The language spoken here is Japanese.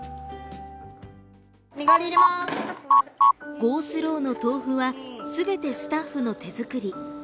ゴー・スローの豆腐は全てスタッフの手作り。